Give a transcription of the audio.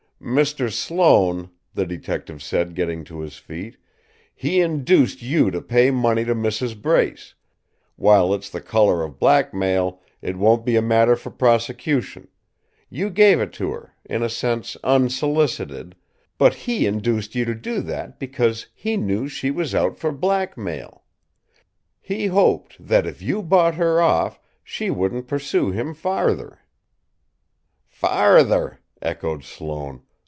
"Mr. Sloane," the detective said, getting to his feet, "he induced you to pay money to Mrs. Brace while it's the colour of blackmail, it won't be a matter for prosecution; you gave it to her, in a sense, unsolicited but he induced you to do that because he knew she was out for blackmail. He hoped that, if you bought her off, she wouldn't pursue him farther." "Farther!" echoed Sloane.